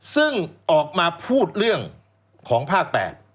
ซึ่งออกมาพูดเรื่องของภาค๘